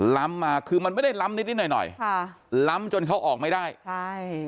ล้ำมาคือมันไม่ได้ล้ำนิดนิดหน่อยหน่อยค่ะล้ำจนเขาออกไม่ได้ใช่